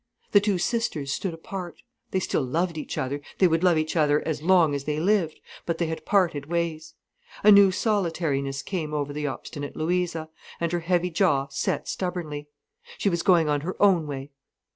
The two sisters stood apart. They still loved each other, they would love each other as long as they lived. But they had parted ways. A new solitariness came over the obstinate Louisa, and her heavy jaw set stubbornly. She was going on her own way.